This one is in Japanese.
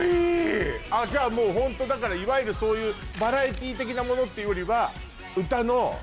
じゃあもうホントだからいわゆるそういうバラエティ的なものっていうよりは歌の？